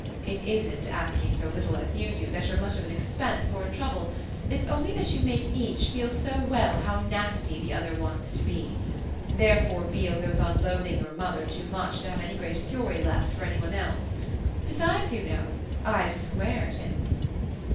It isn't, asking so little as you do, that you're much of an expense or a trouble; it's only that you make each feel so well how nasty the other wants to be. Therefore Beale goes on loathing your mother too much to have any great fury left for any one else. Besides, you know, I've squared him."